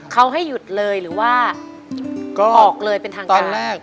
เขาให้หยุดเลยหรือว่าออกเลยเป็นทางการแรก